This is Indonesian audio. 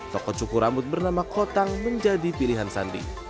toko cukur rambut bernama kotang menjadi pilihan sandi